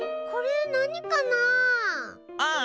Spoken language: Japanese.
これなにかなあ？